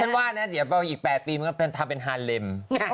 ฉันว่าเนี่ยยังเป่าอีก๘ปีคงทำเป็นฮาเลม